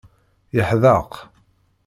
Yeḥdeq.